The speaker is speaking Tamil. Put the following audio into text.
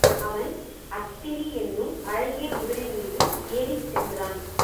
அவன் அத்திரி என்னும் அழகிய குதிரைமீது ஏறிச் சென்றான்.